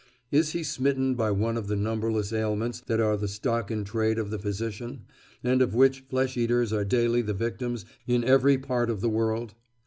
Is he smitten by one of the numberless ailments that are the stock in trade of the physician, and of which flesh eaters are daily the victims in every part of the world?